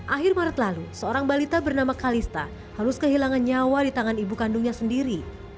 akhir maret lalu seorang balita bernama kalista harus kehilangan nyawa di tangan ibu kandungnya sendiri